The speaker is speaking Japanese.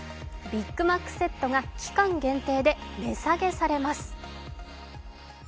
ビッグマックセットが期間限定で値下げされます。